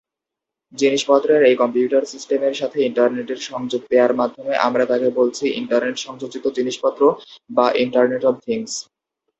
জিনিসপত্রের এই কম্পিউটার সিস্টেমের সাথে ইন্টারনেটের সংযোগ দেয়ার মাধ্যমে আমরা তাকে বলছি ইন্টারনেট সংযোজিত জিনিসপত্র বা ইন্টারনেট অব থিংস।